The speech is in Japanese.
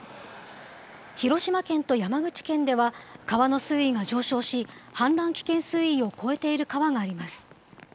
広島県と山口県では、川の水位が上昇し、氾濫危険水位を超えている川があります。